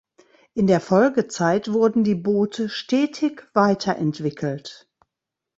In der Folgezeit wurden die Boote stetig weiter entwickelt.